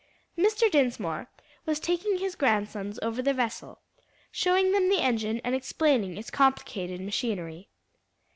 Mr. Dinsmore was taking his grandsons over the vessel, showing them the engine and explaining its complicated machinery.